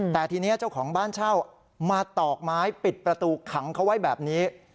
แต่ทีนี้เจ้าของบ้านเช่ามาตอกไม้ปิดประตูขังเขาไว้แบบนี้